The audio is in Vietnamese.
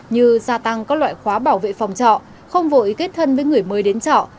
như gia tăng các loại khóa bảo vệ phòng trọ không vội kết thân với người mới đến trọ